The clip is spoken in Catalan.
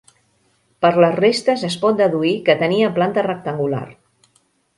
Per les restes es pot deduir que tenia planta rectangular.